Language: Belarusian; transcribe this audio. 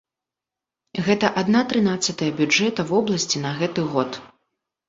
Гэта адна трынаццатая бюджэта вобласці на гэты год.